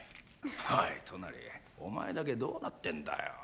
おいトナリお前だけどうなってんだよ。